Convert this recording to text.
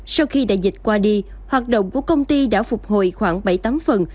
sau khi đại dịch qua đi hoạt động của công ty đã phục hồi khoảng bảy mươi tám phần